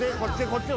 こっち？